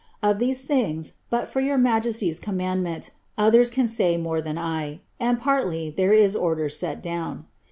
Of these things, but fbr your migesty's commandment, others can say more than I; and, partly, there is orders set down.